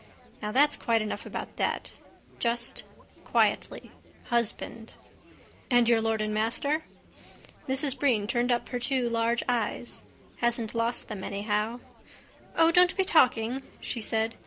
Now that's quite enough about that. Just: quietly: husband. —And your lord and master? Mrs Breen turned up her two large eyes. Hasn't lost them anyhow. —O, don't be talking! she said.